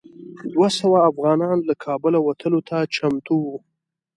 دوه سوه افغانان له کابله وتلو ته چمتو وو.